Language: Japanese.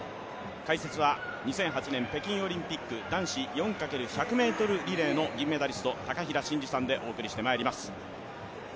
解説は２００８年北京オリンピック男子４×１００ｍリレーの銀メダリスト、高平慎士さんでお送りしてまいります。